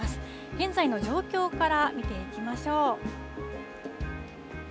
現在の状況から見ていきましょう。